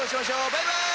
バイバイ！